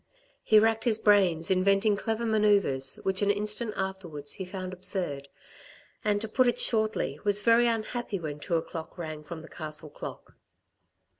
He racked his brains inventing clever manoeuvres, which an instant afterwards he found absurd, and, to put it shortly, was very unhappy when two o'clock rang from the castle clock.